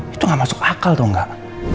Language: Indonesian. itu gak masuk akal tau gak